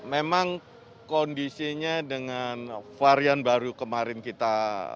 memang kondisinya dengan varian baru kemarin kita